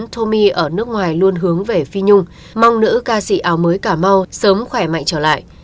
thomi ở nước ngoài luôn hướng về phi nhung mong nữ ca sĩ áo mới cà mau sớm khỏe mạnh trở lại